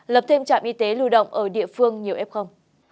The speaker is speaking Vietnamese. lập thêm trạm y tế lưu động ở địa phương nhiều ép không